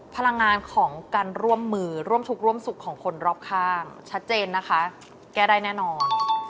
พลังงานของการร่วมมือร่วมทุกข์ร่วมสุขของคนรอบข้างชัดเจนนะคะแก้ได้แน่นอน